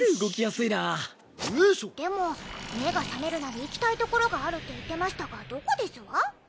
でも目が覚めるなり行きたい所があるって言ってましたがどこですわ？